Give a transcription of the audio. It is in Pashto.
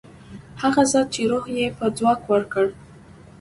هغه ذات چې روح ته یې ځواک ورکړ.